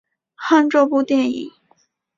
恨这部电影！